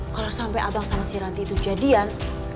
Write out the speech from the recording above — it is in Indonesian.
kalo sampe abang sama si ranti itu jadian